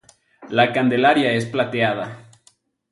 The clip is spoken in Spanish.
La candelería es plateada.